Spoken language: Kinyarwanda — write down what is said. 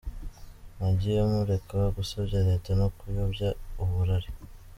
Mwagiye mureka gusebya Leta no kuyobya uburari.